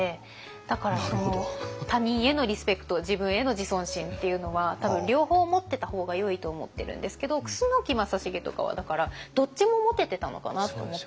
だから他人へのリスペクト自分への自尊心っていうのは多分両方持ってた方がよいと思ってるんですけど楠木正成とかはだからどっちも持ててたのかなって思って。